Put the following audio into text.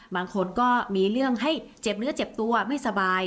บางคนก็มีเรื่องให้เจ็บเนื้อเจ็บตัวไม่สบาย